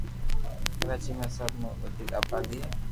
ڪراچي ۾ سب مون وديڪ آبادي ھي